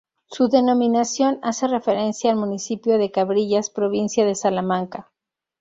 Su denominación hace referencia al municipio de Cabrillas, provincia de Salamanca.